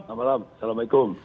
selamat malam assalamualaikum